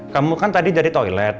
kamu kan tadi jadi toilet